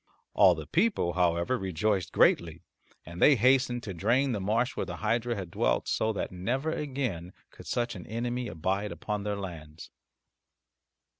All the people, however, rejoiced greatly, and they hastened to drain the marsh where the hydra had dwelt so that never again could such an enemy abide upon their lands.